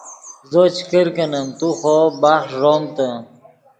زو چے کرکینیم تو خوو بخݰ ݱومتے